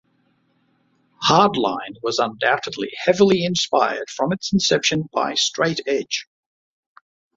Hardline was undoubtedly heavily inspired from its inception by straight edge.